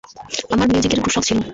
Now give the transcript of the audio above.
আমার মিউজিকের খুব শখ ছিল।